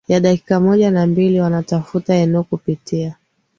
ya dakika moja au mbili Wanatafuta eneo kupitia